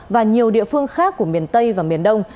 và nhiều địa phương khác của miền tây và miền đông